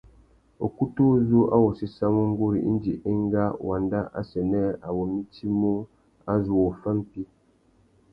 Ukutu uzú a wô séssamú nguru indi enga wandá assênē a wô mitimú a zu wô fá mpí.